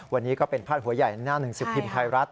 วันนี้ก็เป็นพาดหัวใหญ่ในหน้าหนึ่งสิบพิมพ์ไทยรัฐ